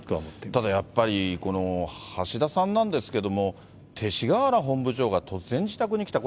ただやっぱり、橋田さんなんですけども、勅使河原本部長が突然、自宅に来た。